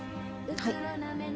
はい。